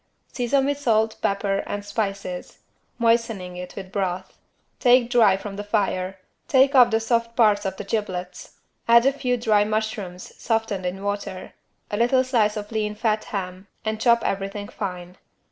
Season with salt pepper and spices, moistening it with broth. Take dry from the fire, take off the soft parts of the giblets, add a few dry mushrooms softened in water, a little slice of lean fat ham and chop everything fine.